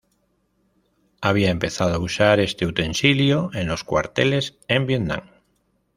Había empezado a usar este utensilio en los cuarteles, en Vietnam.